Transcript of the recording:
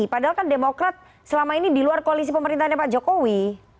padahal kan demokrat selama ini di luar koalisi pemerintahnya pak jokowi